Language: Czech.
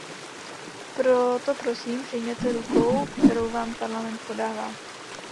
Proto prosím přijměte rukou, kterou vám Parlament podává.